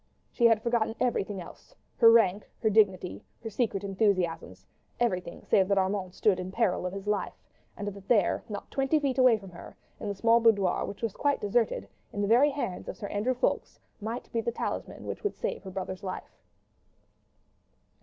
She had forgotten everything else—her rank, her dignity, her secret enthusiasms—everything save that Armand stood in peril of his life, and that there, not twenty feet away from her, in the small boudoir which was quite deserted, in the very hands of Sir Andrew Ffoulkes, might be the talisman which would save her brother's life.